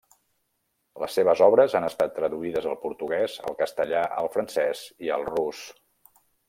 Les seves obres han estat traduïdes al portuguès, al castellà, al francès i al rus.